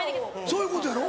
そういうことやろ？